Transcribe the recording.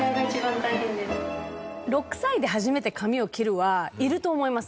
「６歳で初めて髪を切る」はいると思います